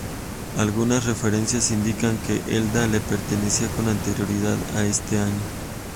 Algunas referencias indican que Elda le pertenecía con anterioridad a este año.